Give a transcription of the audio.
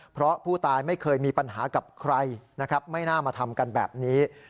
เพราะผู้ตายไม่เคยมีปัญหากับใครนะครับไม่น่ามาทำกันแบบนี้